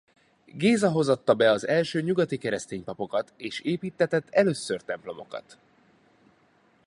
Géza hozatta be az első nyugati keresztény papokat és építtetett először templomokat.